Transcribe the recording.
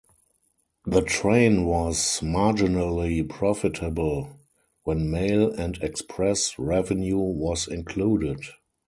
The train was marginally profitable, when mail and express revenue was included.